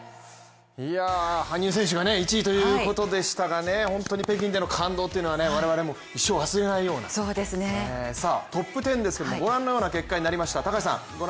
羽生選手が１位ということでしたが本当に北京での感動っていうのは我々も一生忘れないようなトップ１０ですけれどもご覧のような結果になりました。